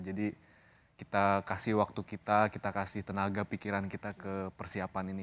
jadi kita kasih waktu kita kita kasih tenaga pikiran kita ke persiapan ini